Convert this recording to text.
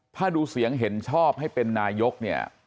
ถ้าดูเสียงเห็นชอบให้เป็นนายกเนี่ย